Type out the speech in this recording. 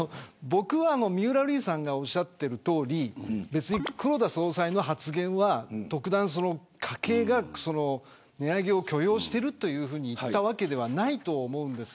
僕は三浦瑠麗さんがおっしゃっているとおり別に黒田総裁の発言は特段家計が値上げを許容していると、いうふうに言ったわけではないと思うんです。